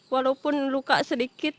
walaupun luka sedikit